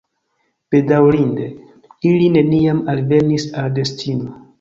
Bedaŭrinde, ili neniam alvenis al destino.